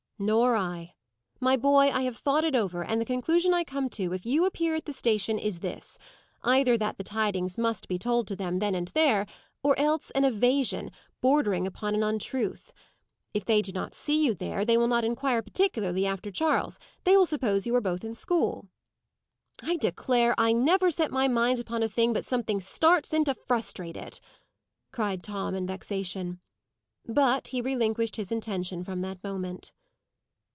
"Nor I. My boy, I have thought it over, and the conclusion I come to, if you appear at the station, is this: either that the tidings must be told to them, then and there, or else an evasion, bordering upon an untruth. If they do not see you there, they will not inquire particularly after Charles; they will suppose you are both in school." "I declare I never set my mind upon a thing but something starts in to frustrate it!" cried Tom, in vexation. But he relinquished his intention from that moment.